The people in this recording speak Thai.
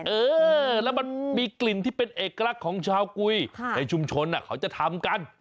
เออแล้วมันมีกลิ่นที่เป็นเอกลักษณ์ของชาวกุยในชุมชนเขาจะทำกัน